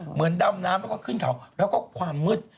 เหมือนดำน้ำแล้วก็ขึ้นเขาแล้วก็ความมืด